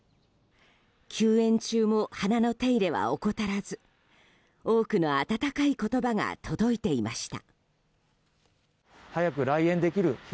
休園中も花の手入れは怠らず多くの温かい言葉が届いていました。